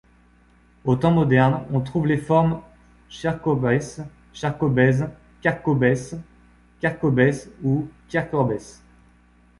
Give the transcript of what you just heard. Aux Temps modernes, on trouve les formes Chercorbès, Chercorbez, Kercorbès, Quercorbès ou Quiercorbès.